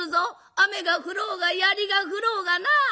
雨が降ろうがやりが降ろうがな」。